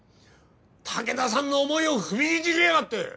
武田さんの思いを踏みにじりやがって！